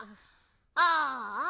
ああ。